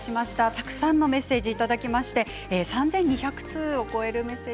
たくさんのメッセージをいただきまして３２００通を超えました。